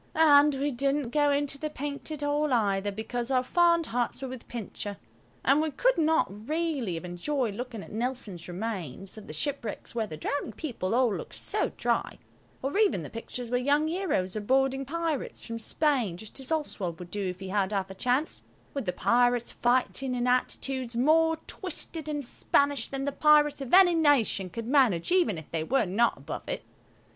And we didn't go into the Painted Hall either, because our fond hearts were with Pincher, and we could not really have enjoyed looking at Nelson's remains, of the shipwrecks where the drowning people all look so dry, or even the pictures where young heroes are boarding pirates from Spain just as Oswald would do if he had half a chance, with the pirates fighting in attitudes more twisted and Spanish than the pirates of any nation could manage even if they were not above it.